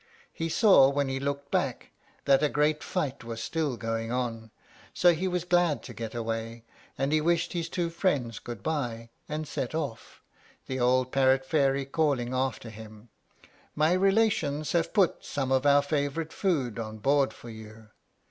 He saw, when he looked back, that a great fight was still going on; so he was glad to get away, and he wished his two friends good by, and set off, the old parrot fairly calling after him, "My relations have put some of our favorite food on board for you."